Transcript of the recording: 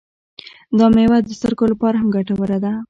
دا میوه د سترګو لپاره هم ګټوره ده.